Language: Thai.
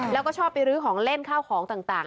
แล้วก็ชอบไปรื้อของเล่นข้าวของต่าง